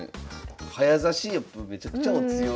早指しやっぱめちゃくちゃお強い。